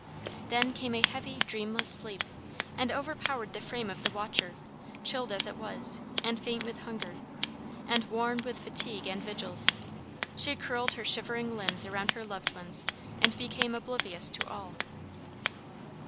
Then came a heavy dreamless sleep and overpowered the frame of the watcher, chilled as it was, and faint with hunger, and worn with fatigue and vigils: she curled her shivering limbs around her loved ones and became oblivious to all.